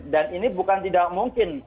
dan ini bukan tidak mungkin